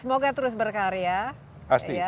semoga terus berkarya pasti